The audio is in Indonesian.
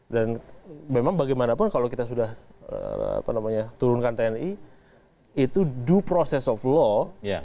dan memang bagaimanapun kalau kita sudah turunkan tni itu due process of law